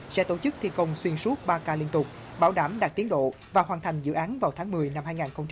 sẽ tổ chức thi công xuyên suốt ba k liên tục bảo đảm đạt tiến độ và hoàn thành dự án vào tháng một mươi năm hai nghìn hai mươi